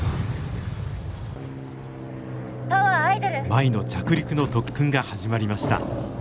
舞の着陸の特訓が始まりました。